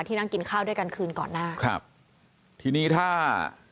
นั่งกินข้าวด้วยกันคืนก่อนหน้าครับทีนี้ถ้า